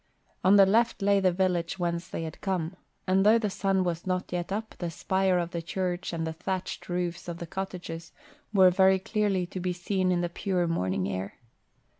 On the left lay the village whence they had come, and, though the sun was not yet up, the spire of the church and the thatched roofs of the cottages were very clearly to be seen in the pure morning air.